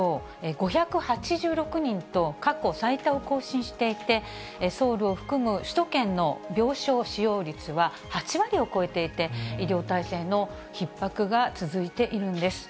５８６人と、過去最多を更新していて、ソウルを含む首都圏の病床使用率は８割を超えていて、医療体制のひっ迫が続いているんです。